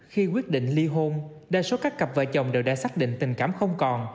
khi quyết định ly hôn đa số các cặp vợ chồng đều đã xác định tình cảm không còn